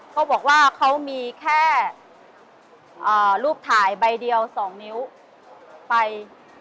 เขาบอกว่าเขามีแค่รูปถ่ายใบเดียว๒นิ้วไป